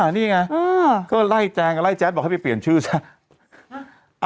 นี่ไงก็ไล่แจงไล่แจ๊ดบอกให้ไปเปลี่ยนชื่อซะ